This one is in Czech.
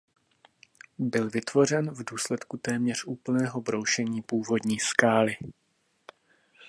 Byl vytvořen v důsledku téměř úplného broušení původní skály.